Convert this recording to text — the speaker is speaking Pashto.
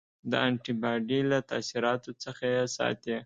د انټي باډي له تاثیراتو څخه یې ساتي.